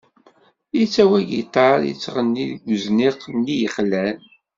Yettawi agiṭar, yettɣenni deg uzniq-nni yexlan.